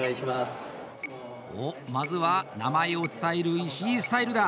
まずは、名前を伝える石井スタイルだ。